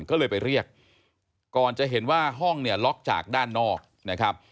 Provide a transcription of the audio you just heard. ก็เลยไปเรียกก่อนจะเห็นว่าห้องเนี่ยล็อกจากด้านนอกนะครับ